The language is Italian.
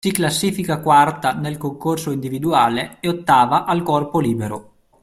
Si classifica quarta nel concorso individuale e ottava al corpo libero.